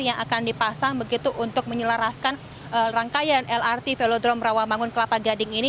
yang akan dipasang begitu untuk menyelaraskan rangkaian lrt velodrome rawamangun kelapa gading ini